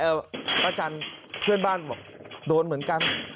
เออป้าจันเพื่อนบ้านโดนเหมือนกัน